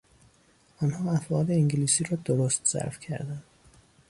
آنها افعال انگلیسی را درست صرف کردند.